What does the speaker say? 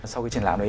sau cái triển lãm đấy